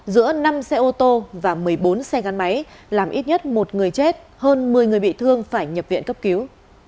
giữa năm xe ô tô và một mươi bốn xe gắn máy làm ít nhất một người chết hơn một mươi người bị thương phải nhập viện cấp cứu